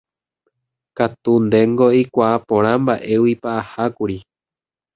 katu ndéngo eikuaa porã mba'éguipa ahákuri.